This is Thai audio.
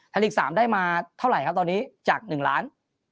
ลีก๓ได้มาเท่าไหร่ครับตอนนี้จาก๑ล้าน